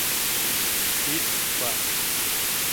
Heat, Wha!